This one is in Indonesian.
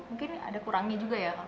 mungkin ada kurangi juga ya